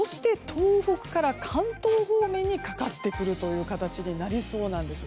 東北から関東方面にかかってくるという形になりそうなんです。